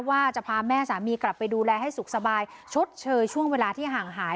ว่าจะพาแม่สามีกลับไปดูแลให้สุขสบายชดเชยช่วงเวลาที่ห่างหาย